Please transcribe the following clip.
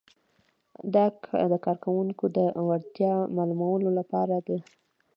دا د کارکوونکي د وړتیا معلومولو لپاره ده.